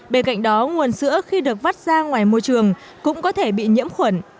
bên cạnh đó nguồn sữa khi được vắt ra ngoài môi trường cũng có thể bị nhiễm khuẩn